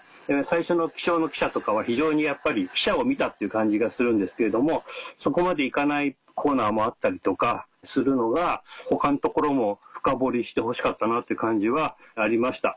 最初の気象の記者とかは非常にやっぱり記者を見たっていう感じがするんですけれどもそこまで行かないコーナーもあったりとかするのが他のところもフカボリしてほしかったなって感じはありました。